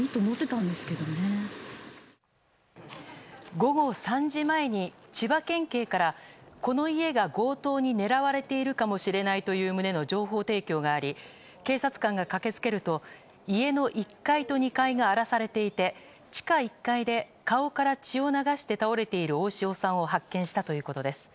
午後３時前に千葉県警からこの家が強盗に狙われているかもしれないという旨の情報提供があり警察官が駆け付けると家の１階と２階が荒らされていて地下１階で顔から血を流して倒れている大塩さんを発見したということです。